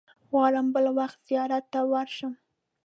غواړم بل وخت زیارت ته ورشم.